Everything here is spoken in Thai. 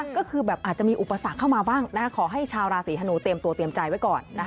ก็คือแบบอาจจะมีอุปสรรคเข้ามาบ้างขอให้ชาวราศีธนูเตรียมตัวเตรียมใจไว้ก่อน